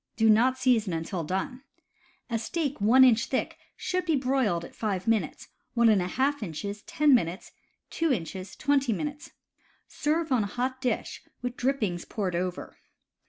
Do not season until done. A steak 1 inch thick should be broiled five minutes, Ij inches ten minutes, 2 inches twenty minutes. Serve on hot dish with drippings poured over.